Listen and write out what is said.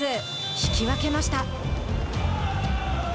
引き分けました。